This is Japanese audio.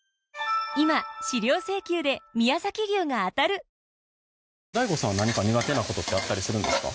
フフフＤＡＩＧＯさんは何か苦手なことってあったりするんですか？